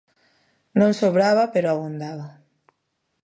Non sobraba, pero abondaba.